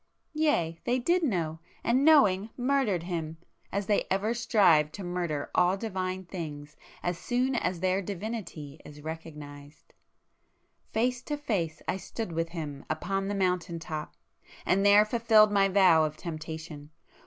Yea, they did know!—and knowing, murdered Him,—as they ever strive to murder all divine things as soon as their divinity is recognised. Face to face I stood with Him upon the mountain top, and there fulfilled my vow of temptation.